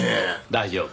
大丈夫。